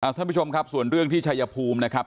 ท่านผู้ชมครับส่วนเรื่องที่ชายภูมินะครับ